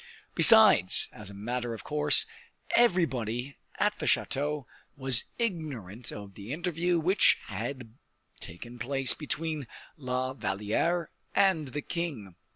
Besides, as a matter of course, everybody at the chateau was ignorant of the interview which had taken place between La Valliere and the king.